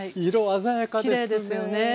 色鮮やかですね！